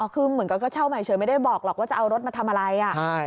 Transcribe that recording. คือเหมือนกับก็เช่าใหม่เฉยไม่ได้บอกหรอกว่าจะเอารถมาทำอะไร